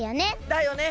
だよね！